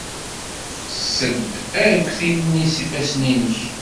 Ssed arekti-nni s yifassen-nnek.